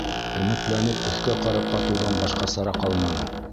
Өмөтләнеп өҫкә ҡарап ҡатыуҙан башҡа сара ҡалманы.